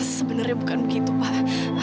sebenernya bukan begitu pak